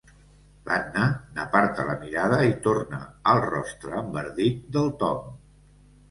L'Anna n'aparta la mirada i torna al rostre enverdit del Tom.